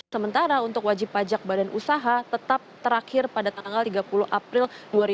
sementara untuk wajib pajak badan usaha tetap terakhir pada tanggal tiga puluh april dua ribu dua puluh